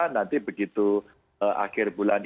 nanti begitu akhir bulan